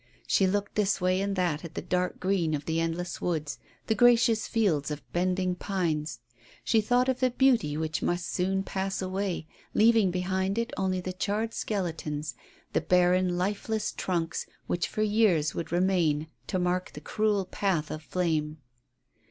She looked this way and that at the dark green of the endless woods, the gracious fields of bending pines. She thought of the beauty which must so soon pass away, leaving behind it only the charred skeletons, the barren, leafless trunks, which for years would remain to mark the cruel path of flame.